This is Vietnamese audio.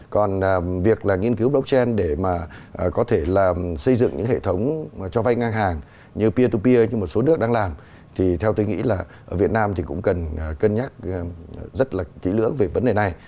còn việc là nghiên cứu blockchain để mà có thể là xây dựng những hệ thống cho vay ngang hàng như pier to pier như một số nước đang làm thì theo tôi nghĩ là ở việt nam thì cũng cần cân nhắc rất là kỹ lưỡng về vấn đề này